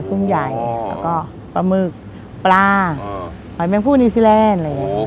กุ้งใหญ่แล้วก็ปลาหมึกปลาหอยแมงพู่นิวซีแลนด์อะไรอย่างนี้